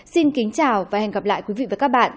xin kính chào và hẹn gặp lại quý vị và các bạn